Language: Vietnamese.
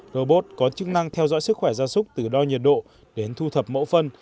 robot có chức năng theo dõi sức khỏe gia súc từ đo nhiệt độ đến thu thập mẫu phân